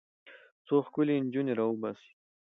څو ښکلې نجونې راوباسي.